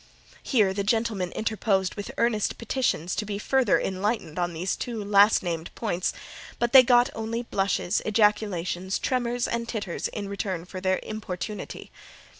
Here the gentlemen interposed with earnest petitions to be further enlightened on these two last named points; but they got only blushes, ejaculations, tremors, and titters, in return for their importunity.